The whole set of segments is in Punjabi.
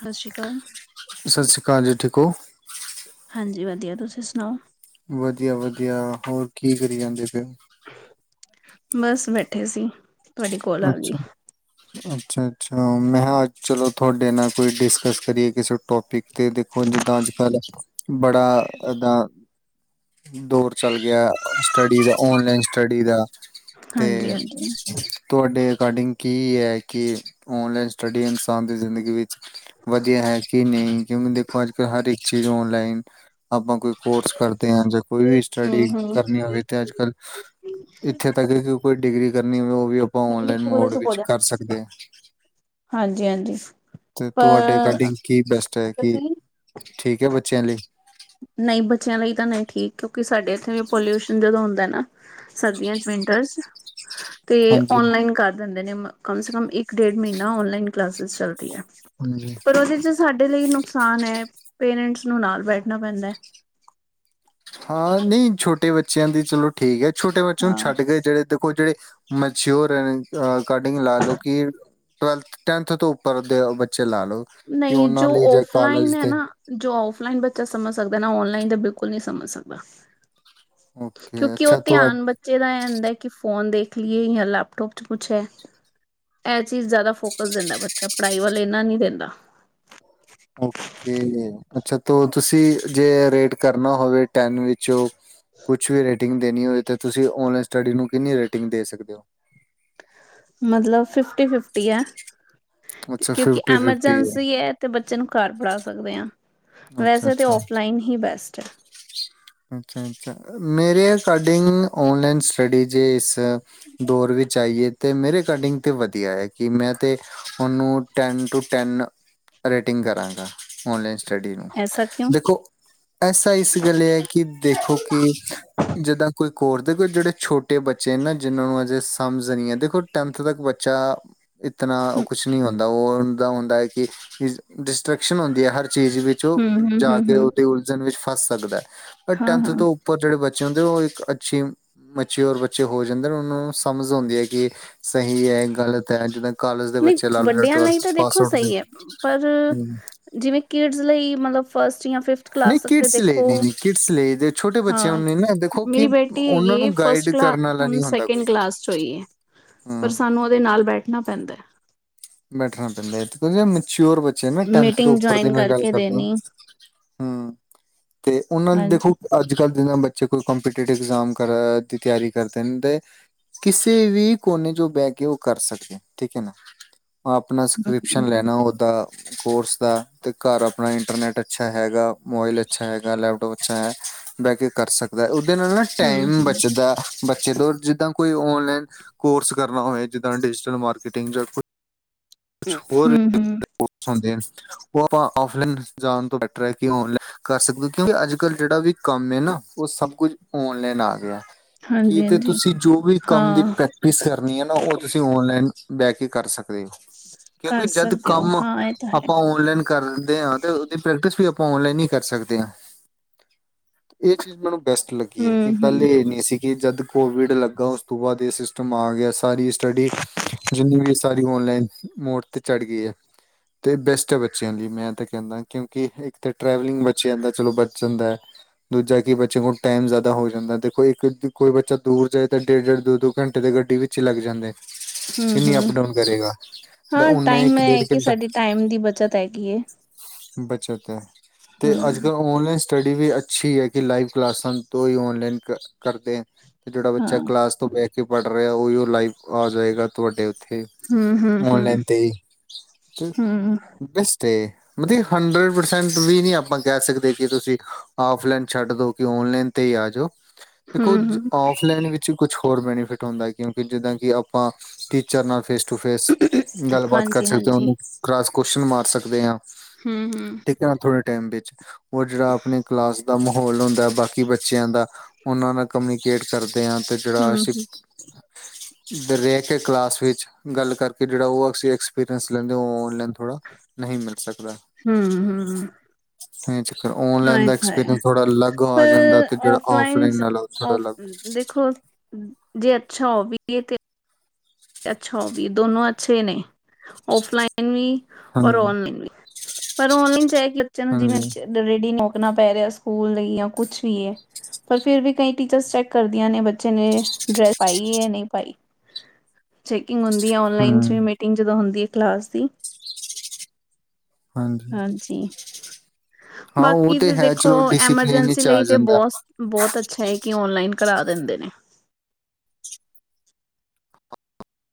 ਸਤਿ ਸ਼੍ਰੀ ਅਕਾਲ। ਸਤਿ ਸ਼੍ਰੀ ਕਾਲ ਜੀ ਠੀਕ ਓ? ਹਾਂਜੀ ਵਦੀਆ, ਤੁਸੀਂ ਸੁਣਾਓ? ਵਦੀਆ-ਵਦੀਆ, ਹੋਰ ਕੀ ਕਰੀ ਜਾਂਦੇ ਫੇਰ? ਬਸ ਬੈਠੇ ਸੀ। ਤੁਹਾਡੀ ਕੋਲ ਆ ਗਈ ਅੱਛਾ। ਅੱਛਾ- ਅੱਛਾ ਮੈਂ ਕਿਹਾ ਅੱਜ ਚਲੋ, ਤੁਹਾਡੇ ਨਾਲ ਕੋਈ ਡਿਸਕਸ ਕਰੀਏ। ਕਿਸੇ ਟੋਪਿਕ ਤੇ। ਤੇ ਦੇਖੋ ਜਿੱਦਾਂ ਅੱਜ ਕੱਲ ਬੜਾ ਏਦਾਂ ਦੌਰ ਚੱਲ ਗਿਆ ਸਟੱਡੀ ਦਾ ਔਨਲਾਈਨ ਸਟੱਡੀ ਦਾ। ਤੇ ਹਾਂਜੀ- ਹਾਂਜੀ। ਤੁਹਾਡੇ ਅਕੋਡਿੰਗ ਕੀ ਹੈ। ਕਿ ਔਨਲਾਈਨ ਸਟੱਡੀ ਇਨਸਾਨ ਦੀ ਜ਼ਿੰਦਗੀ ਵਿੱਚ। ਵਧੀਆ ਹੈ। ਕਿ ਨਹੀਂ ਕਿਉਂਕਿ ਦੇਖੋ, ਅੱਜ ਕੱਲ ਹਰ ਚੀਜ਼ ਓਨਲਾਈਨ ਆਪਾਂ ਕੋਈ ਕੋਰਸ ਕਰਦੇ ਹਾਂ। ਕੋਈ ਵੀ ਹਮ ਸਟੱਡੀ ਹਮ ਕਰਨੀ ਹੋਵੇ ਤੇ, ਅੱਜ ਕੱਲ। ਇੱਥੇ ਤੱਕ ਕੋਈ ਡਿਗਰੀ ਕਰਨੀ ਹੋਵੇ ਉਹ ਵੀ ਆਪਾਂ ਔਨਲਾਈਨ ਮੋਡ ਹਾਂਜੀ ਵਿੱਚ ਕਰ ਸਕਦੇ ਹਾ। ਹਾਂਜੀ ਤੇ ਪਰ ਤੁਹਾਡੇ ਅਕੋਡਿੰਗ ਕੀ ਬੈਸਟ ਹੈ ਕਿ ਠੀਕ ਹੈ ਬੱਚਿਆਂ ਲਈ। ਨਹੀਂ ਬੱਚਿਆਂ ਲਈ ਤਾਂ ਨਹੀਂ ਠੀਕ ਕਿਉਂਕਿ ਸਾਡੇ ਇੱਥੇ ਵੀ ਪੋਲਿਊਸ਼ਨ ਜਦੋਂ ਹੁੰਦਾ ਨਾ ਸਰਦੀਆਂ ਚ ਵਿੰਟਰਸ ਤੇ ਹਾਂਜੀ। ਓਨਲਾਈਨ ਕਰ ਦਿੰਦੇ ਨੇ ਕਮ ਸੇ ਕਮ ਇੱਕ ਡੇਢ ਮਹੀਨਾ ਔਨਲਾਈਨ ਕਲਾਸਿਸ ਚੱਲਦੀਆਂ। ਹਾਂਜੀ। ਫਿਰ ਉਹਦੇ ਚ ਸਾਡੇ ਲਈ ਨੁਕਸਾਨ ਹੈ ਪੇਰੈਂਟਸ ਨੂੰ ਨਾਲ ਬੈਠਣਾ ਪੈਂਦਾ। ਹਾਂ ਨਹੀਂ ਛੋਟੇ ਬੱਚਿਆਂ ਦੀ ਚਲੋ ਠੀਕ ਹੈ ਛੋਟੇ ਬੱਚਿਆਂ ਨੂੰ ਹਾਂ ਛੱਡ ਕੇ ਜਿਹੜੇ ਦੇਖੋ ਜਿਹੜੇ ਮੈਚੋਯਰ ਐ ਅਕੋਡਿੰਗ ਲਾ ਲੋ ਕਿ ਟਵੈਲਥ ਟੈਨਥ ਤੋਂ ਉੱਪਰ ਦੇ ਬੱਚੇ ਲਾ ਲੋ। ਨਈ ਜੋ ਔਫਲਾਈਨ ਹੈ ਨਾ ਜੋ ਔਫਲਾਈਨ ਬੱਚਾ ਸਮਝ ਸਕਦਾ ਏਨਾ ਔਨਲਾਈਨ ਤੇ ਬਿਲਕੁੱਲ ਨੀ ਸਮਝ ਸਕਦਾ। ਹੂੰ। ਕਿਉਂਕਿ ਉਹ ਧਿਆਨ ਬੱਚੇ ਦਾ ਇਹ ਹੁੰਦਾ ਹੈ ਕਿ ਫੋਨ ਦੇਖ ਲਈਏ ਜਾਂ ਲੈਪਟੋਪ ਚ ਕੁਛ ਹੈ। ਇਹ ਚੀਜ਼ ਜ਼ਿਆਦਾ ਫੋਕਸ ਦਿੰਦਾ ਬੱਚਾ ਪੜ੍ਹਾਈ ਵੱਲ ਇਨਾ ਨਹੀ ਦਿੰਦਾ। ਓਕੇ ਅੱਛਾ ਤ ਤੁਸੀਂ ਜੇ ਰੇਟ ਕਰਨਾ ਹੋਵੇ ਟੈਨ ਚੋ ਕੁਛ ਵੀ ਰੇਟਿੰਗ ਦੇਣੀ ਹੋਵੇ ਤਾਂ ਤੁਸੀਂ ਔਨਲਾਈਨ ਸਟੱਡੀ ਨੂੰ ਕਿੰਨੀ ਰੇਟਿੰਗ ਦੇ ਸਕਦੇ ਹੋ? ਮਤਲਬ ਫਿਫਟੀ-ਫਿਫਟੀ ਹੈ ਅੱਛਾ ਕਿਉਂਕਿ ਫਿਫਟੀ ਫਿਫਟੀ ਹੈ ਐਮਰਜੈਂਸੀ ਏ ਅਤੇ ਬੱਚੇ ਨੂੰ ਘਰ ਪੜ੍ਹਾ ਸਕਦੇ ਹਾਂ। ਵੈਸੇ ਤਾਂ ਅੱਛਾ-ਅੱਛਾ। ਔਫਲਾਈਨ ਹੀ ਬੈਸਟ ਹੈ ਅੱਛਾ-ਅੱਛਾ ਮੇਰੇ ਅਕੋਡਿੰਗ ਓਨਲਾਈਨ ਸਟਡੀ ਜੇ ਦੋਰ ਵਿੱਚ ਆਈ ਏ ਤੇ ਮੇਰੇ ਅਕੋਡਿੰਗ ਤੇ ਵਧੀਆ ਏ ਕਿ ਮੈਂ ਤੇ ਉਹਨੂੰ ਟੈਨ ਟੂ ਟੈਨ ਰੇਟਿੰਗ ਕਰਾਂਗਾ ਔਨਲਾਈਨ ਸਟੱਡੀ ਨੂੰ ਐਸਾ ਕਿਉਂ ਦੇਖੋ ਐਸਾ ਇਸ ਗੱਲੇ ਹੈ ਕਿ ਦੇਖੋ ਕਿ ਜਿੱਦਾਂ ਕੋਈ ਕੋਰ ਦੇਖੋ ਜਿਹੜੇ ਛੋਟੇ ਬੱਚੇ ਨੇ ਨਾ ਜਿਨਾਂ ਨੂੰ ਅੱਜੇ ਸਮਝ ਨਹੀਂ ਆ ਦੇਖੋ ਟੈਂਨਥ ਤੱਕ ਬੱਚਾ ਇਤਨਾ ਹਮ ਕੁੱਛ ਨੀ ਹੁੰਦਾ ਉਹਦਾ ਹੁੰਦਾ ਕਿ ਡਿਸਟਰੈਕਸ਼ਨ ਹੁੰਦੀ ਹੈ ਹਰ ਚੀਜ਼ ਵਿੱਚ ਜੋ ਹਮ ਹਮ ਹਮ ਜ਼ਿਆਦਾ ਹਮ, ਉਹਦੇ ਉਲਝਣ ਵਿੱਚ ਫਸ ਸਕਦਾ ਹੈ ਪਰ ਹਾਂ ਟੈਨਥ ਹਾਂ ਤੋਂ ਉ ਪਰ ਜਿਹੜੇ ਬੱਚੇ ਹੁੰਦੇ ਉਹ ਇੱਕ ਅੱਛੀ ਮੈਚਓਰ ਬੱਚੇ ਹੋ ਜਾਂਦੇ ਨੇ ਉਹਨਾਂ ਨੂੰ ਸਮਝ ਹੁੰਦੀ ਹੈ ਕਿ ਸਹੀ ਐ ਗ਼ਲਤ ਐ ਜਿੱਹੜਾ ਨਹੀਂ ਵੱਡਿਆਂ ਲਈ ਤਾਂ ਦੇਖੋ ਦੇ ਸਹੀ ਹੈ ਪਰ ਹਮ, ਜਿਵੇਂ ਕਿਡਜ਼ ਲਈ ਮਤਲਬ ਫਸਟ ਜਾਂ ਫਿਫੱਥ ਕਲਾਸ ਤੱਕ ਤੇ ਦੇਖੋ ਕਿਟਸ ਲਈ ਜੇ ਛੋਟੇ ਬੱਚਿਆਂ ਹਾਂ ਨੇ ਨਾ ਦੇਖੋ ਕਿ ਮੇਰੀ ਬੇਟੀ ਉਹਨਾਂ ਹੈਗੀ ਨੂੰ ਗਾਈਡ ਫਸਟ ਕਲਾ ਕਰਨ ਵਾਲਾ ਹੁਣ ਨਹੀਂ ਹੁੰਦਾ ਕੋਈ ਸੈਕਿੰਡ ਹਾਂ। ਦੇ ਨਾਲ ਬੈਠਣਾ ਪੈਂਦਾ। ਬੈਠਣਾ ਪੈਂਦਾ ਉਹੀ ਨਾ ਮੈਚਓਰ ਬ ਦੇ ਮੈ ਟੈੰਥ ਤੋਂ ਮੀਟਿੰਗ ਉਪਰ ਦੀ ਜੁਆਇਨ ਮੈਂ ਗੱਲ ਕਰਕੇ ਕਰਦਾ ਦੇਣੀ ਹਾਂ ਤੇ ਉਹਨਾਂ ਦੇਖੋ ਹਾਂਜੀ। ਅੱਜ-ਕਲ੍ਹ ਜਬੱਚੇ ਕੋਈ ਕ ਕੰਪੀਟੇਟਿਵ ਐਗਜ਼ਾਮ ਕਰਾ ਦੀ ਤਿਆਰੀ ਕਰਦੇ ਨੇ ਤੇ ਕਿਸੇ ਵੀ ਕੋਨੇ ਤੋਂ ਉਹ ਬਹਿ ਕੇ ਉਹ ਕਰ ਸਕਦਾ ਠੀਕ ਏ ਨਾ ਆਪਣਾ ਸਕ੍ਰਿਪਸ਼ਨ ਹੂੰ ਲੈਣਾ ਉਹਦਾ ਕੋਰਸ ਦਾ ਤੇ ਘਰ ਆਪਣਾ ਇੰਟਰਨੈਟ ਅੱਛਾ ਹੈਗਾ, ਮੋਬਾਈਲ ਅੱਛਾ ਹੈਗਾ, ਲੈਪਟੋਪ ਅੱਛਾ ਹੈ। ਬਹਿ ਕੇ ਕਰ ਸਕਦਾ ਉਹਦੇ ਨਾਲ ਨਾ ਹੂੰ ਟਾਈਮ ਬੱਚਦਾ। ਬੱਚੇ ਤੋਂ ਜਿੱਦਾਂ ਕੋਈ ਓਨਲਾਈਨ ਕੋਰਸ ਕਰਨਾ ਹੋਏ ਜਿੱਦਾਂ ਡਿਜੀਟਲ ਮਾਰਕੀਟਿੰਗ ਜਾਂ ਹੂੰ-ਹੂੰ। ਓਥੋ ਦੇ ਉਹ ਆਪਾਂ ਔ ਫਲਾਈਨ ਜਾਣ ਤੋਂ ਬੈਟਰ ਹੈ ਕਿ ਆਨਲਾਈਨ ਕਰ ਸਕਦੇ ਹੋ ਕਿਉਂਕਿ ਅੱਜ-ਕੱਲ੍ਹ ਜਿਹੜਾ ਵੀ ਕੰਮ ਏ ਨਾ ਉਹ ਸਭ ਕੁਝ ਔਨਲਾਈਨ ਆ ਗਿਆ! ਕੀ ਹਾਂਜੀ ਤੇ ਹਾਂਜੀ ਤੁਸੀਂ ਜੋ ਵੀ ਕੰਮ ਦੀ ਹਾਂ ਪ੍ਰੈਕਟਿਸ ਕਰਨੀ ਹੈ ਨਾ ਉਹ ਤੁਸੀਂ ਓਨਲਾਈਨ ਬਹਿ ਕੇ ਕਰ ਸਕਦੇ। ਕਿਉਂਕਿ ਕਰ ਜਦ ਸਕਦੇ ਹੋ ਕੰਮ ਹਾਂ ਇਹ ਤਾਂ ਹੈ ਆਪਾ ਓਨਲਾਈਨ ਕਰਨ ਡਯੇ ਆ ਤੇ ਉਹਦੀ ਪ੍ਰੈਕਟਿਸ ਵੀ ਆਪਾਂ ਓਨਲਾਈਨ ਹੀ ਕਰ ਸਕਦੇ ਹਾਂ, ਇਹ ਚੀਜ਼ ਮੈਨੂੰ ਬੈਸਟ ਲੱਗੀ ਐ ਹੂੰ ਕਿ ਹੂੰ ਪਹਿਲੇ ਏ ਨੀ ਸੀ। ਕਿ ਜਦ ਕੋਵਿਡ ਲੱਗਾ ਉਸ ਤੋਂ ਬਾਅਦ ਇਹ ਸਿਸਟਮ ਆ ਗਿਆ, ਸਾਰੀ ਸਟੱਡੀ ਜਿੰਨੀ ਵੀ ਅਸੀ ਸਾਰੀ ਔਨਲਾਈਨ ਮੋੜ ਤੇ ਚੜ ਗਈ ਏ। ਤੇ ਬੈਸਟ ਐ ਬੱਚਿਆਂ ਲਈ, ਮੈਂ ਤਾਂ ਕਹਿੰਦਾ ਕਿਉਂਕਿ ਇੱਕ ਤਾਂ ਟਰੈਵਲਿੰਗ ਬੱਚਿਆਂ ਜਾਂ ਦਾ ਚਲੋ ਬਚ ਜਾਂਦਾ। ਦੂਜਾ ਕਿ ਬੱਚੇ ਕੋਲ ਟਾਈਮ ਜ਼ਿਆਦਾ ਹੋ ਜਾਂਦਾ, ਦੇਖੋ ਇੱਕ ਕੋਈ ਬੱਚਾ ਦੂਰ ਜਾਏ ਤਾਂ ਡੇਢ-ਡੇਢ, ਦੋ-ਦੋ ਘੰਟੇ ਦੇ ਗੱਡੀ ਵਿੱਚ ਚ ਲੱਗ ਜਾਂਦੇ। ਕਿੰਨੀ ਅਪ ਹੂੰ-ਹੂੰ। ਡਾਊਨ ਕਰੇਗਾ ਤਾਂ ਹਾਂ ਓਨਾ ਹੀ ਟਾਈਮ ਇੱਕ ਡੇਢ ਏ ਕਿ ਘੰਟਾ ਸਾਡੀ ਟਾਈਮ ਦੀ ਬੱਚਤ ਹੈਗੀ ਐਂ। ਬਚਤ ਏ ਤੇ ਅੱਜ-ਕੱਲ੍ਹ ਔਨਲਾਈਨ ਸਟੱਡੀ ਵੀ ਅੱਛੀ ਐ ਕਿ ਲਾਈਵ ਕਲਾਸਾਂ ਤੋਂ ਹੀ ਔਨਲਾਈਨ ਕਰਦੇ ਐ। ਤੇ ਜਿਹੜਾ ਬੱਚਾ ਹਾਂ ਕਲਾਸ ਤੋਂ ਬਹਿਠ ਕੇ ਪੜ੍ਹ ਰਿਹਾ ਉਹੀ ਉਹ ਲਾਈਵ ਆ ਜਾਵੇਗਾ ਤੁਹਾਡੇ ਉੱਥੇ ਹੂੰ ਹੂੰ ਹੂੰ ਔਨਲਾਈਨ ਤੇ ਹੂੰ ਬੈਸਟ ਏ ਮਤਲਬ ਹੰਡਰਡ ਪਰਸੈਂਟ ਵੀ ਨਈ ਆਪਾਂ ਕਹਿ ਸਕਦੇ ਕਿ ਤੁਸੀਂ ਆਫਲਾਈਨ ਛੱਡ ਦੋ ਕਿ ਓਨਲਾਈਨ ਤੇ ਹੀ ਆ ਜਾਓ, ਦੇਖੋ ਹੂੰ ਹੂੰ ਔਫਲਾਈਨ ਵਿੱਚ ਕੁਛ ਹੋਰ ਬੈਨੀਫਿਟ ਹੁੰਦਾ ਕਿਉਂਕਿ ਜਿੱਦਾਂ ਕਿ ਆਪਾਂ ਟੀਚਰ ਨਾਲ ਫੇਸ ਟੂ ਫੇਸ ਗੱਲਬਾਤ ਕਰ ਹਾਂਜੀ ਸਕਦੇ ਹਾਂ, ਹਾਂਜੀ ਉਹਨੂੰ ਕਲਾਸ ਕੁਸ਼ਚਨ ਮਾਰ ਸਕਦੇ ਹਾਂ। ਹੂੰ-ਹੂੰ। ਠੀਕ ਥੋੜੇ ਟਾਈਮ ਵਿੱਚ, ਉਹ ਜਿਹੜਾ ਆਪਣੇ ਕਲਾਸ ਦਾ ਮਾਹੌਲ ਹੁੰਦਾ ਬਾਕੀ ਬੱਚਿਆਂ ਦਾ, ਉਹਨਾਂ ਨਾਲ ਕਮਿਊਨੀਕੇਟ ਕਰਦੇ ਹਾਂ ਤੇ ਜਿਹੜਾ ਹੂੰ ਅਸੀਂ ਫੇਰ ਏਹ ਆ ਕਲਾਸ ਵਿੱਚ ਗੱਲ ਕਰਕੇ ਜਿਹੜਾ ਉਹ ਅਸੀਂ ਐਕਸਪੀਰੀਅੰਸ ਲੈਂਦੇ, ਉਹ ਔਨਲਾਈਨ ਥੋੜ੍ਹਾ ਨਹੀਂ ਮਿਲ ਸਕਦਾ। ਹਮ ਹਮ। ਇਹ ਚੱਕਰ ਔਨਲਾਈਨ ਆਏ ਦਾ ਹਾਏ ਐਕਸਪੀਰੀਅੰਸ ਥੋੜਾ ਅਲੱਗ ਆ ਜਾਂਦਾ ਪਰ ਤੇ ਜਿਹੜਾ ਆਫਲਾਈਨ ਔਫਲਾਈਨਸ ਨਾਲ ਆ ਉਹ ਥੋੜਾ ਅਲੱਗ ਦੇਖੋ, ਜੇ ਅੱਛਾ ਹੋ ਵੀ ਗਈਆਂ ਤੇ ਤੇ ਅੱਛਾ ਉਹ ਵੀ ਦੋਨੋ ਅੱਛੇ ਨੇ, ਔਫਲਾਈਨ ਵੀ ਔਰ ਹਾਂਜੀ, ਔਨਲਾਈਨ ਵੀ। ਪਰ ਔਨਲਾਈਨ ਚਾਹੇ ਕਿ ਬੱਚਿਆਂ ਨੂੰ ਜਿਵੇਂ ਹਾਂਜੀ, ਡ ਰੇਡੀ ਰੋਕਣਾ ਪੈ ਰਿਹਾ ਸਕੂਲ ਲਈ ਜਾਂ ਕੁਛ ਵੀ ਏ ਪਰ ਫੇਰ ਵੀ ਕਈ ਟੀਚਰਸ ਚੈੱਕ ਕਰਦੀਆਂ ਨੇ ਬੱਚੇ ਨੇ ਡਰੈਸ ਪਾਈ ਜਾਂ ਨਈ ਪਾਈ। ਚੈਕਿੰਗ ਹੁੰਦੀ ਏ, ਔਨਲਾਈਨ ਚ ਵੀ ਹੂੰ, ਮੀਟਿੰਗ ਜਦੋਂ ਹੁੰਦੀ ਐ ਕਲਾਸ ਦੀ। ਹਾਂਜੀ। ਹਾਂ ਉਹ ਬਾਕੀ ਤੇ ਹੈ ਦੇਖੋ ਚਲੋ ਡਿਸਿਪਲਿਨ ਐਮਰਜੈਂਸੀ ਵਿੱਚ ਆ ਲਈ ਤੇ ਜਾਂਦਾ ਬਹੁਤ ਬਹੁਤ ਅੱਛਾ ਏ ਕਿ ਔਨਲਾਈਨ ਕਰਾ ਦਿੰਦੇ ਨੇ।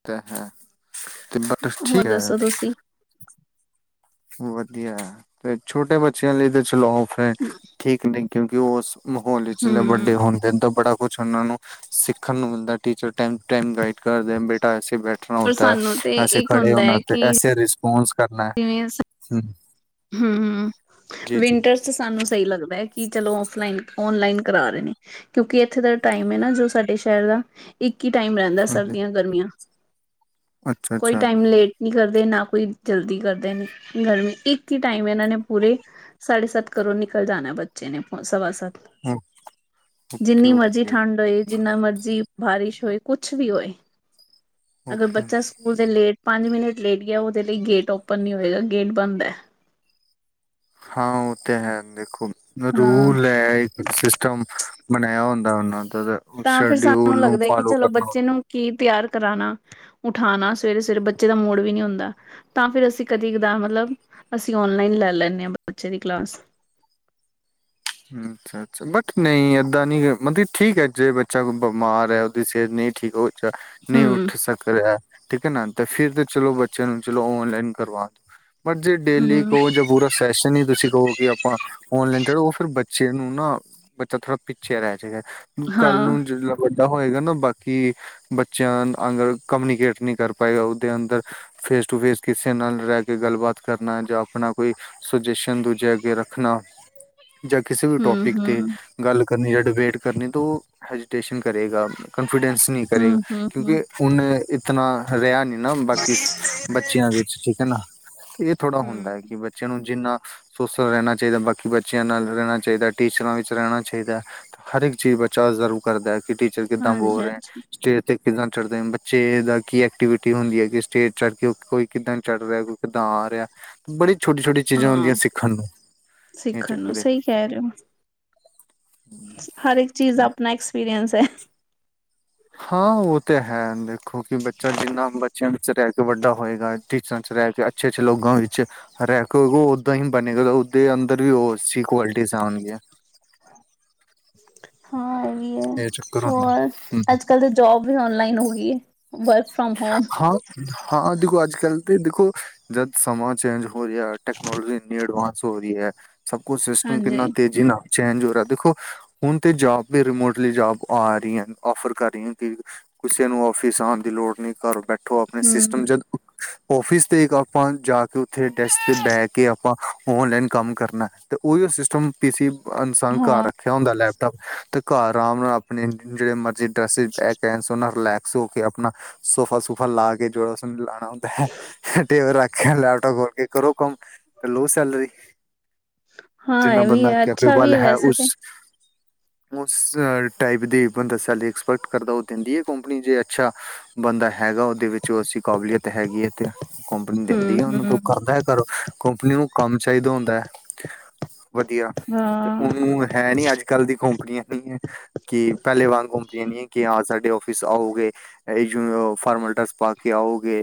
ਤੇ ਹੈ ਤੇ ਬ ਹੋਰ ਠੀਕ ਐ। ਦੱਸੋ ਤੁਸੀਂ ਵਧੀਆ ਏ ਤੇ ਛੋਟੇ ਬੱਚਿਆਂ ਲਈ ਤੇ ਚਲੋ ਔਖਾ ਐ, ਠੀਕ ਨੀ ਕਿਉਂਕਿ ਉਹ ਮਾਹੌਲ ਵਿੱਚ ਹਮ ਵੱਡੇ ਹੁੰਦੇ ਹਨ ਤਾਂ ਬੜਾ ਕੁਛ ਉਹਨਾਂ ਨੂੰ ਸਿੱਖਣ ਨੂੰ ਮਿਲਦਾ ਟੀਚਰ ਟ ਟੇਮ ਗਾਈਡ ਕਰਦੇ ਬੇਟਾ ਐਸੇ ਬੈਠਣਾ ਪਰ ਹੋਤਾ ਐ, ਸਾਨੂੰ ਤੇ ਐਸੇ ਇੱਕ ਖੜੇ ਹੁੰਦਾ ਹੈ ਹੋਣਾ, ਕਿ ਐਸੇ ਰਿਸਪੋਂਸ ਕਰਨਾ ਐ। [unintelligible] ਹੂੰ। ਹਮ ਹਮ, ਜੀ, ਜੀ, ਵਿੰਟਰਸ ਚ ਸਾਨੂੰ ਸਹੀ ਲੱਗਦਾ ਐ ਕਿ ਚਲੋ ਔਫਲਾਈਨ, ਔਨਲਾਈਨ ਕਰਾ ਰਹੇ ਨੇ‌। ਕਿਉਂਕਿ ਇੱਥੇ ਦਾ ਟਾਈਮ ਏ ਨਾ ਜੋ ਸਾਡੇ ਸ਼ਹਿਰ ਦਾ ਇੱਕ ਈ ਟਾਈਮ ਰਹਿੰਦਾ ਹਾਂਜੀ ਸਰਦੀਆਂ-ਗਰਮੀਆਂ, ਅੱਛਾ, ਕੋਈ ਟਾਈਮ ਅੱਛਾ ਲੇਟ ਨੀ ਕਰਦੇ, ਨਾ ਕੋਈ ਜਲਦੀ ਕਰਦੇ ਨੇ। ਗਰਮੀ ਇੱਕ ਇੱਕ ਹੀ ਟਾਈਮ ਇਹਨਾਂ ਨੇ ਪੂਰੇ ਸਾਢੇ- ਸੱਤ ਘਰੋ ਨਿਕਲ ਜਾਣਾ ਬੱਚੇ ਨੇ ਸਵਾ-ਸੱਤ ਜਿੰਨੀ ਮਰਜ਼ੀ ਠੰਡ ਹੋਏ। ਜਿੰਨਾ ਮਰਜ਼ੀ ਬਾਰਿਸ਼ ਹੋਏ, ਕੁਛ ਵੀ ਹੋਏ। ਅਗਰ ਬੱਚਾ ਸਕੂਲ ਤੇ ਲੇਟ ਪੰਜ- ਮਿੰਟ ਲੇਟ ਗਿਆ। ਉਹਦੇ ਲਈ ਗੇਟ ਓਪਨ ਨ ਹੋਏਗਾ, ਗੇਟ ਬੰਦ ਐ। ਹਾਂ, ਉਹ ਤੇ ਹੈ, ਦੇਖੋ, ਹਾਂ ਰੂਲ ਐ। ਸਿਸਟਮ ਬਣਾਇਆ ਹੁੰਦਾ ਉਹਨਾਂ ਉਦ ਦਾ। ਤਾਂ ਫਿਰ ਸ਼ਡਿਊਲ ਸਾਨੂੰ ਨੂੰ ਲੱਗਦਾ ਕਿ ਫਾਲੋ ਚਲੋ, ਕਰਨਾ ਬੱਚੇ ਨੂੰ ਕੀ ਤਿਆਰ ਕਰਾਣਾ। ਉਠਾਉਣਾ, ਸਵੇਰੇ- ਸਵੇਰੇ ਬੱਚੇ ਦਾ ਮੂੜ ਵੀ ਨਹੀਂ ਹੁੰਦਾ। ਤਾਂ ਫਿਰ ਅਸੀਂ ਕਦੀ ਕਦਾ ਮਤਲਬ ਅਸੀਂ ਓਨਲਾਈਨ ਲੈ ਲੈਂਦੇ ਹਾਂ। ਬੱਚੇ ਦੀ ਕਲਾਸ। ਅੱਛਾ। ਅੱਛਾ, ਬਟ ਨਹੀਂ ਇੱਦਾਂ ਨਹੀਂ ਮਤਲਬ ਠੀਕ ਹੈ। ਜੇ ਬੱਚਾ ਕੋਈ ਬਿਮਾਰ ਹੈ। ਉਹਦੀ ਸਿਹਤ ਨਹੀਂ ਠੀਕ ਹੋ। ਨਹੀਂ ਹੂੰ, ਉੱਠ ਸਕ ਰਿਹਾ। ਠੀਕ ਹੈ ਨਾ ਤੇ ਫਿਰ ਤਾਂ ਚਲੋ ਬੱਚਿਆਂ ਨੂੰ ਚਲੋ ਔਨਲਾਈਨ ਕਰਵਾ ਦਿਓ। ਪਰ ਜੇ ਡੇਲੀ ਹੂੰ, ਕਹੋ ਜਾਂ ਪੂਰਾ ਸੈਸ਼ਨ ਹੀ ਤੁਸੀਂ ਕਹੋਗੇ ਆਪਾਂ ਔਨਲਾਈਨ। ਫਿਰ ਬੱਚੇ ਨੂੰ ਨਾ ਬੱਚਾ ਥੋੜਾ ਪਿੱਛੇ ਰਹਿ ਜਾਏਗਾ। ਕੱਲ ਹਾਂ, ਨੂੰ ਵੱਡਾ ਹੋਏਗਾ ਨਾ ਬਾਕੀ ਬੱਚਿਆਂ ਅਗਰ ਕਮਿਊਨੀਕੇਟ ਨਹੀਂ ਕਰ ਪਾਏਗਾ। ਉਹਦੇ ਅੰਦਰ ਫੇਸ ਟੂ ਫੇਸ ਕਿਸੇ ਨਾਲ ਰਹਿ ਕੇ ਗੱਲਬਾਤ ਕਰਨਾ ਜਾਂ ਆਪਣਾ। ਕੋਈ ਸੁਜੈਸ਼ਨ ਦੂਜੇ ਅੱਗੇ ਰੱਖਣਾ। ਜਾਂ ਕਿਸੇ ਵੀ ਹੂੰ, ਟੋਪਿਕ ਹੂੰ, ਤੇ ਗੱਲ ਕਰਨੀ ਜਾਂ ਡਿਬੇਟ ਕਰਨੀੇ ਤੇ ਉਹ ਹੈਜੀਟੇਸ਼ਨ। ਕਰੇਗਾ ਕਾਨਫੀਡੈਂਸ ਨਹੀਂ ਕਰੇਗਾ। ਹੂੰ, ਹੂੰ, ਕਿਉਂਕਿ ਹੂੰ, ਹੁ ਇਤਨਾ ਰਿਹਾ ਨੀ ਨਾ ਬਾਕੀ ਬੱਚਿਆਂ ਦੇ ਠੀਕ ਹੈ ਨਾ ਇਹ ਥੋੜਾ ਹੁੰਦਾ ਹੈ। ਹੂੰ। ਕਿਂ ਬੱਚਿਆਂ ਨੂੰ ਜਿੰਨਾ ਸੋਸ਼ਲ ਰਹਿਣਾ ਚਾਹੀਦਾ। ਬਾਕੀੱ ਬਚ ਬੱਚਿਆਂ ਨਾਲ ਰਹਿਣਾ ਚਾਹੀਦਾ। ਟੀਚਰਾਂ ਵਿੱਚ ਰਹਿਣਾ ਚਾਹੀਦਾ ਹੈ। ਹਰ ਇੱਕ ਚੀਜ਼ ਬੱਚਾ ਆਬਜ਼ਰਵ ਕਰਦਾ। ਕਿਟੀ ਬੱਚੇ ਕਿੱਦਾਂ ਬੋਲ ਰਹੇ। ਹਾਂਜੀ-ਹਾਂਜੀ ਸਟੇ ਕਿੱਦਾਂ ਚੜ੍ਹਦੇ ਬੱਚੇ ਦਾ ਕੀ ਐਕਟੀਵਿਟੀ ਹੁੰਦੀ ਹੈ, ਕਿ ਸਟੇਜ ਚੜ੍ਹ ਕੇ ਕੋਈ ਕਿੱਦਾਂ ਚੜ ਰਿਹਾ। ਕਿੱਦਾਂ ਆ ਰਿਹਾ ਤੇ ਬੜੀ ਛੋਟੀ- ਛੋਟੀ ਚੀਜ਼ਾਂ ਹਾਂ ਹੁੰਦੀਆਂ ਸਿੱਖਣ ਨੂੰ ਇਹ ਸਿੱਖਣ ਨੂੰ ਚੱਕਰ ਹੈ। ਸਹੀ, ਕਹਿ ਰਹੇ ਹੋ। ਹਰ ਇੱਕ ਚੀਜ਼ ਦਾ ਆਪਣਾ ਐਕਸਪੀਰੀਅਨਸ ਹੈ। ਹਾਂ, ਉਹ ਤਾਂ ਹੈ। ਦੇਖੋ! ਕਿ ਬੱਚਾ ਜਿੰਨਾ ਬੱਚਿਆਂ ਵਿੱਚ ਰਹਿ ਕੇ ਵੱਡਾ ਹੋਏਗਾ। ਟੀਚਰਾਂ ਵਿੱਚ ਰਹਿ ਕੇ, ਅੱਛੇ ਅੱਛੇ ਲੋਕਾਂ ਵਿੱਚ। ਰਹਿ ਕੇ ਉਹ ਓਦਾਂ ਹੀ ਬਣੇਗਾ ਉਹ ਓਦੇ ਅੰਦਰ ਵੀ ਉਹ ਅੱਛੀ ਕੁਆਲਿਟੀ ਆਣਗੀਆਂ। ਹਾਂ, ਇਹ ਵੀ ਹੈ। ਇਹ ਚੱਕਰ ਹੁੰਦਾ ਹੋਰ, ਹੂੰ। ਅੱਜ-ਕੱਲ ਤਾਂ ਜੋਬ ਵੀ ਔਨਲਾਈਨ ਹੋ ਗਈ ਹੈ। Work from home. ਹਾਂ, ਦੇਖੋ! ਅੱਜ ਕੱਲ ਤੇ ਦੇਖੋ ਜਦ ਸਮਾਂ ਚੇਂਜ ਹੋ ਰਿਹਾ। ਟੈਕਨੋਲੋਜੀ ਇੰਨੀ ਐਡਵਾਂਸ ਹੋ ਰਹੀ ਹੈ। ਸਭ ਕੁਛ ਸਿਸਟਮ ਕਿੰਨਾ ਹਾਂਜੀ ਤੇਜ਼ੀ ਨਾਲ ਚੇਂਜ ਹੋ ਰਿਹਾ। ਦੇਖੋ! ਹੁਣ ਤੇ ਜੋਬ ਵੀ ਰਿਮੋਟਲੀ ਜੋਬ ਆ ਰਹੀ ਹੈ। ਔਫਰ ਕਰ ਰਹੀ ਕਿ ਕਿਸੇ ਨੂੰ ਆਫਿਸ ਆਉਣ ਦੀ ਲੋੜ ਨਹੀਂ, ਘਰ ਬੈਠੋ ਆਪਣੇ ਸਿਸਟਮ ਹੂੰ ਜਦ। ਔਫਿਸ ਤੇ ਆਪਾਂ ਜਾ ਕੇ ਉੱਥੇ ਡੈਸਕ ਤੇ ਬਹਿ ਕੇ ਆਪਾਂ ਔਨਲਾਈਨ ਕੰਮ ਕਰਨਾ। ਅਤੇ ਉਹੀ ਸਿਸਟਮ। ਪੀ ਸੀ ਇਨਸਾਨ ਨੇ ਘਰ ਹਾਂ, ਰੱਖੇ ਹੁੰਦਾ ਲੈਪਟਾਪ ਅਤੇ ਘਰ ਆਰਾਮ ਨਾਲ ਆਪਣੀ ਜਿਹੜੇ ਮਰਜ਼ੀ। ਰਿਲੈਕਸ ਹੋ ਕੇ ਆਪਣਾ ਸੋਫਾ- ਸੂਫਾ ਲਾ ਕੇ ਜਿਹੜਾ ਲਾਉਣਾ ਹੁੰਦਾ ਹੈ। ਟੇਬਲ ਰੱਖਿਆ। ਲੈਪਟਪ ਖੋਲ ਕੇ ਕਰੋ ਕਮ। ਤੇ ਲਉ ਸੈਲਰੀ। ਹਾਂ ਜਿੰਨਾ ਇਹ ਵੀ ਬੰਦਾ ਹੈ ਅੱਛਾ ਵੀ ਕਪੈਬਲ ਹੈ। ਵੈਸੇ ਉਸ ਤੇ ਉਸ ਟਾਈਪ ਦੀ ਬੰਦਾ ਸੈਲਰੀ ਐਕਸਪੈਕਟ ਕਰਦਾ ਉਹ ਦਿੰਦੀ ਹੈ। ਕੰਪਨੀ ਜੇ ਅੱਛਾ! ਬੰਦਾ ਹੈਗਾ। ਉਹਦੇ ਵਿੱਚ ਜੋ ਅਸੀਂ ਕਾਬਲੀਅਤ ਹੈਗੀ ਹੈ ਤੇ ਕੰਪਨੀ ਦਿੰਦੀ ਹੈ। ਉਹਨੂੰ ਤੇ ਉਹ ਹੂੰ-ਹੂੰ ਕਰਦਾ ਹੈ ਘਰੋ। ਕੰਪਨੀ ਉਹਨੂੰ। ਕੰਮ ਚਾਹੀਦਾ ਹੁੰਦਾ ਹੈ ਵਧੀਆ ਹਾਂ। ਉਹਨੂੰ ਹੈ ਨੀ ਅੱਜ ਕਲ ਦੀ ਕੋਮ ਇਆ ਨ ਕਿ ਪਹਿਲੇ ਵਾਰ ਕੰਪਨੀਆ ਨੀ ਕਿ ਹਾਂ ਸਾਡੇ ਓਫਿਸ ਆਉਗੇ। ਜਿਵੇਂ ਫਾਰਮਲਟਸ ਪਾ ਕੇ ਆਓਗੇ।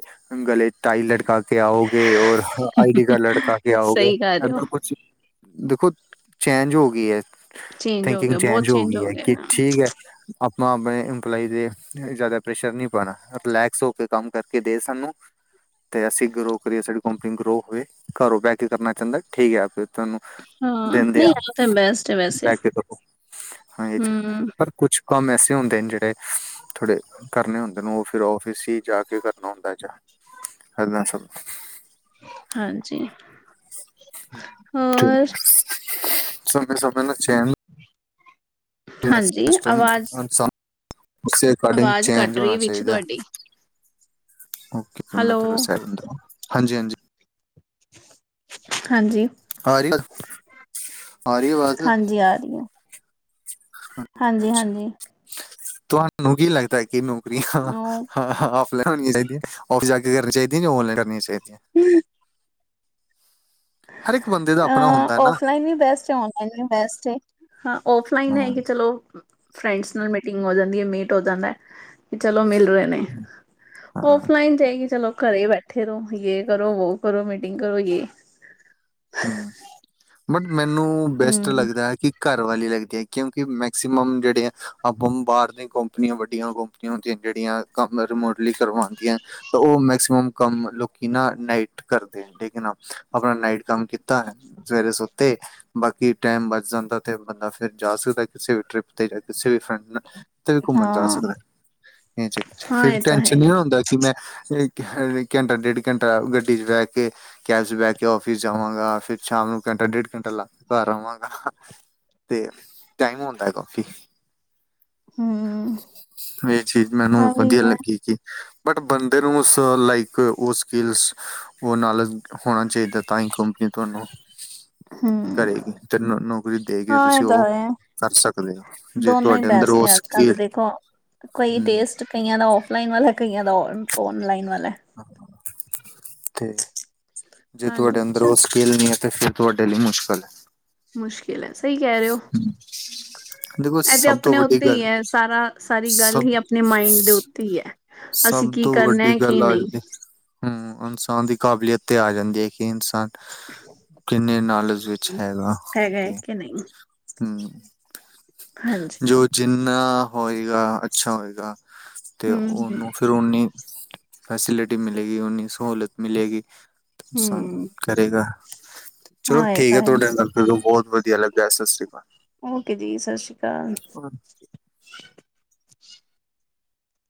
ਗਲੇ ਟਾਈ ਲਟਕਾ ਕੇ ਆਓਗੇ ਔਰ ਆਈ ਡੀ ਕਾਰਡ ਲਟਕਾ ਕੇ ਆਓਗੇ। ਸਹੀ ਕਹਿ ਰਹੇ ਹੋ ਇਦਾਂ ਕੁਛ ਦੇਖੋ ਚੇਂਜ ਹੋ ਗਈ ਹੈ ਚੇਂਜ ਹੋ ਥਿੰਕਿੰਗ ਗਿਆ ਬਹੁਤ ਚੇਂਜ ਹੋ ਗਈ ਹੈ ਗਿਆ ਕਿ ਨਾ ਠੀਕ ਹੈ। ਆਪਾਂ ਆਪਣੇ ਇੰਪਲਾਈ ਦੇ ਜ਼ਿਆਦਾ ਪ੍ਰੈਸ਼ਰ ਨਹੀਂ। ਰਿਲੈਕਸ ਹੋ ਕੇ ਕੰਮ ਕਰਕੇ ਦੇ ਸਾਨੂੰ। ਤੇ ਅਸੀਂ ਗਰੋ ਕਰੀਏ ਸਾਡੀ ਕੰਪਨੀ ਗਰੋ ਹੋਵੇ। ਘਰੋਂ ਬਹਿ ਕੇ ਕਰਨਾ ਚਾਹੁੰਦਾ ਠੀਕ ਹੈ। ਫਿਰ ਤੁਹਾਨੂੰ ਹਾਂ ਦਿੰਦੇ ਨਹੀਂ ਆ ਤਾਂ ਬੈਸਟ ਹੈ ਵੈਸੇ ਬੇ ਕੇ ਤੁਹਾਨੂੰ। ਹਾਂ ਇਝ, ਹੂੰ ਪਰ ਕੁਛ ਕੰਮ ਐਸੇ ਹੁੰਦੇ ਜਿਹੜੇ ਥੋੜੇ ਕਰਨੇ ਹੁੰਦੇ। ਤੈਨੂੰ ਫਿਰ ਆਫਿਸ ਹੀ ਜਾ ਕੇ ਕਰਨਾ ਹੁੰਦਾ ਏਨਾ ਸਭ ਹਾਂਜੀ। ਹੋਰ ਠੀਕ ਸਮੇ ਸਮ ਸੇ ਨਾਲ ਚੈਨ। ਤੁਹਾਡਾ ਹਾਂਜੀ ਸਿਸਟਮ ਆਵਾਜ਼ ਹਾਨ ਸਾਭ। ਉਸੇ ਰਿਕਾਡਿੰਗ ਆਵਾਜ਼ ਚੇਂਜ ਕੱਟ ਹੋਣਾ ਰਹੀ ਵਿੱਚ ਚਾਹੀਦਾ ਹੈ। ਤੁਹਾਡੀ ਓ ਕੇ ਮੈ ਹੈਲੋ ਥੋਂੜਾ ਸੈਲਡ ਹੋਊ ਹਾਂਜੀ ਹਾਂਜੀ ਹਾਂਜੀ, ਆ ਰਹੀ ਆ ਰਹੀ ਆਵਾਜ਼ ਹਾਂਜੀ ਆ ਰਹੀਆਂ। ਹਾਂਜੀ ਅੱਛਾ ਹਾਂਜੀ। ਤੁਹਾਨੂੰ ਕੀ ਲੱਗਦਾ? ਕਿ ਨੌਕਰੀਆਂ ਹ ਉਹ ਹਾਂ ਹਾਂ ੀਆਂ ਚਾਹੀਦੀਆਂ ਔਫਿਸ ਆ ਕੇ ਕਰਨੀ ਚਾਹੀਦੀਆ ਜਾਂ ਔਨਲਾਨ ਕਰਨੀੀਆਂ ਚਾਹੀਦੀਆਂ। [unintelligible] ਹਰ ਇੱਕ ਬੰਦੇ ਦਾ ਆਪਣਾ ਅ ਹੁੰਦਾ ਨਾ ਔਫਲਾਈਨ ਵੀ ਬੈਸਟ ਹੈ। ਹਾਂ, ਔਫਲਾਈਨ ਹੈ ਹਾਂ ਕੇ ਚਲੋ। ਫਰੈਂਡਸ ਨਾਲ ਮੀਟਿੰਗ ਹੋ ਜਾਂਦੀ ਹੈ। ਮੀਟ ਹੋ ਜਾਂਦਾ। ਚਲੋ ਮਿਲ ਰਹੇ ਨੇ ਹਾਂ ਔਫਲਾਈਨ ਜਾਏਗੀ ਚਲੋ, ਘਰੇ ਬੈਠੇ। ਇਕੱਠੇ ਰਹੋ, ਯੇ ਕਰੋ, ਵੋ ਕਰੋ, ਮੀਟਿੰਗ ਕਰੋ ਯ ਹੂੰ ਬਟ ਮੈਨੂੰ ਬੈਸਟ ਹੂੰ ਲੱਗਦਾ ਹੈ ਕਿ ਘਰ ਵਾਲੀ ਲੱਗਦੀ ਐ ਕਿਉਂਕਿ ਮੈਕਸੀਮਮ ਜਿਹੜੀ ਐ ਆਪਾਂ ਬਾਹਰ ਦੀਆਂ ਕੰਪਨੀਆਂ ਵੱਡੀਆਂ ਕੋਮ ਕਿਉਕਿ ਜਿਹੜੀਆਂ ਕੰਮ ਰਿਮੋਟਡਲੀ ਕਰਵਾਉਂਦੀਆਂ ਤਾ ਉਹ ਮੈਕਸੀਮਮ ਕੰਮ ਲੋਕੀ ਨਾ ਨਾਈਟ ਕਰਦੇ ਨੇ ਠੀਕ ਹੈ ਨਾ ਆਪਣਾ ਨਾਈਟ ਕੰਮ ਕੀਤਾ ਹੈ ਸਵੇਰੇ ਸੁੱਤੇ ਬਾਕੀ ਟੈਮ ਬਚ ਜਾਂਦਾ ਤੇ ਬੰਦਾ ਫਿਰ ਜਾ ਸਕਦਾ ਕਿਸੇ ਵੀ ਟਰਿਪ ਤੇ ਜਾਂ ਕਿਸੇ ਵੀ ਫਰੈਂਡ ਨਾਲ ਕਿਤੇ ਵੀ ਘੁੰਮਣ ਜਾ ਹਾਂ। ਸਕਦਾ ਇੰਜ਼ ਫਿਰ ਟੈਨਸ਼ਨ ਨੀ ਨਾ ਹੁੰਦਾ। ਕਿ ਮੈਂ ਇਕ ਘੰਟਾ ਡੇਢ ਘੰਟਾ ਗੱਡੀ ਚ ਬਹਿ ਕੇ ਕੈਬ ਚ ਬਹਿ ਕੇ ਆਫਿਸ ਜਾਵਾਂ ਹਾਂ ਫੇਿਰ ਸ਼ਾਮ ਨੂੰ ਘੰਟਾ ਡੇਢ ਘੰਟਾ ਲੱਗਾ ਕੇ ਘਰ ਆਵਾਂਗਾ। ਤੇ ਟਾਈਮ ਆਉਂਦਾ ਹੈ ਕਾਫੀ ਹੂੰ। ਇਹ ਚੀਜ਼ ਮੈਨੂੰ ਆ ਵੀ ਵਧੀਆ ਹੈ ਲੱਗੀ ਹੀ। ਬਟ ਬੰਦੇ ਨੂੰ ਉਸ ਲਾਈਫ ਉਹ ਸਕਿਲਸ ਉਹ ਨਾਲ ਹੋਣਾ ਚਾਹੀਦਾ ਤਾਂ ਹੀ ਕੰਪਨੀ ਤੁਹਾਨੂੰ ਹੂੰ ਕਰੇਗੀ ਤੇ ਜਰਨਲ‌ ਨੋਲਜ ਦੇਗੇ ਹਾਂ ਇਹ ਤੁਸੀਂ ਤਾਂ ਓ ਹੈ। ਕਰ ਸਕਦੇ ਹੋ ਜੇ ਤੁਹਾਡੇ ਅੰਦਰ ਹੋ ਸਕੇਲ ਕਈ ਟੇਸਟ ਕਈਆਂ ਦਾ ਓਫਲਾਈਨ ਵਾਲਾ ਕਈਆਂ ਦਾ ਔਨਲਾਈਨ ਵਾਲਾ। ਠੀਕ ਜੇ ਹਾਂਜੀ ਤੁਹਾਡੇ ਅੰਦਰ ਅੱਛਾ ਓਸ ਖੇਲਨੀਆ ਤੇ ਫਿਰ ਤੁਹਾਡੇ ਲਈ ਮੁਸ਼ਕਿਲ ਹੈ। ਮੁਸ਼ਕਿਲ ਹੈ। ਸਹੀ ਕਹਿ ਰਹੇ ਹੋ। ਦੇਖੋ ਇਹ ਤੇ ਸਭ ਤੋਂ ਆਪਣੇ ਵੱਡੀ ਉੱਤੇ ਹੀ ਗੱਲ ਹੈ ਸਾਰਾ ਸਾਰੀ ਗੱਲ ਸਭ ਹੀ ਆਪ ਨਈ ਮਾਈੰਡ ਦੇ ਉੱਤੇ ਹੀ ਐ। ਸਭ ਤੋਂ ਵੱਡੀ ਗੱਲ ਆ ਜਾਂਦੀ ਹੂੰ ਇਨਸਾਨ ਦੀ ਕਾਬਲੀਅਤ ਤੇ ਆ ਜਾਂਦੀ ਹੈ ਕਿ ਇਨਸਾਨ ਕਿੰਨੇ ਨਾਲਜ ਵਿੱਚ ਹੈਗਾ। ਇਨੇ ਨਹੀਂ। ਹਮ ਹਾਂਜੀ ਜਿੰਨਾ ਹੋਏਗਾ ਅੱਛਾ ਹੋਏਗਾ, ਤੇ' ਹੂੰ ਹੂੰ ਉਹਨੂੰ ਫਿਰ ਓਨੀ ਫੈਸਿਲਿਟੀ ਮਿਲੇਗੀ ਉਨੀ ਸਹੂਲਤ ਮਿਲੇਗੀ ਸਨ ਹੂੰ, ਕਰੇਗਾ ਚਲੋ ਹਾਂ ਇਹ ਠੀਕ ਤਾਂ ਹੈ। ਤੁਹਾਡੇ ਨਾਲ ਗੱਲ ਮੈਨੂੰ ਬਹੁਤ ਵਧੀਆ ਲੱਗਾ ਸਤਿ ਸ੍ਰੀ ਅਕਾਲ। ਓਕੇ ਜੀ ਸਤਿ ਸ਼੍ਰੀ ਅਕਾਲ। ਹਾਂ